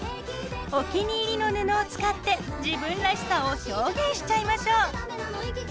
お気に入りの布を使って自分らしさを表現しちゃいましょう。